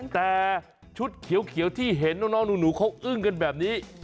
แต่ชุดเขียวที่เห็นน้องหนูเขาอึ้งกันแบบนี้